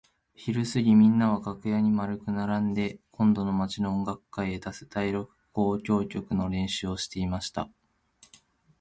ひるすぎみんなは楽屋に円くならんで今度の町の音楽会へ出す第六交響曲の練習をしていました。